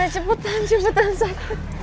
cepetan cepetan sok